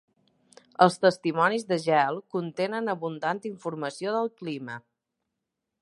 Els testimonis de gel contenen abundant informació del clima.